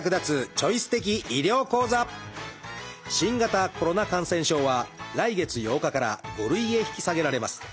新型コロナ感染症は来月８日から５類へ引き下げられます。